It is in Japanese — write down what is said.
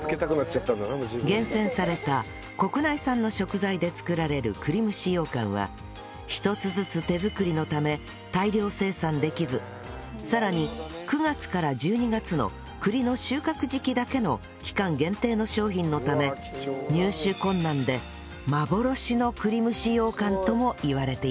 厳選された国内産の食材で作られる栗蒸しようかんは一つずつ手作りのため大量生産できずさらに９月から１２月の栗の収穫時期だけの期間限定の商品のため入手困難で「幻の栗蒸しようかん」ともいわれています